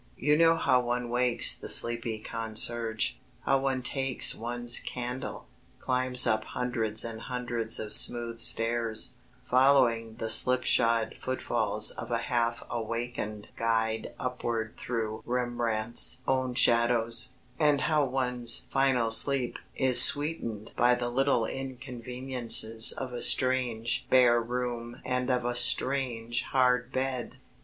You know how one wakes the sleepy concierge, how one takes one's candle, climbs up hundreds and hundreds of smooth stairs, following the slipshod footfalls of a half awakened guide upward through Rembrandt's own shadows, and how one's final sleep is sweetened by the little inconveniences of a strange bare room and of a strange hard bed.